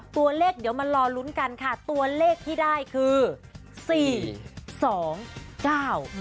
ตัวเลขเดี๋ยวมารอลุ้นกันค่ะตัวเลขที่ได้คือสี่สองเก้า